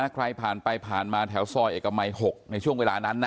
ใครผ่านไปผ่านมาแถวซอยเอกมัย๖ในช่วงเวลานั้น